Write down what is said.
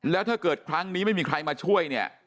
แล้วถ้าเกิดครั้งนี้ไม่มีใครมาช่วยเนี่ย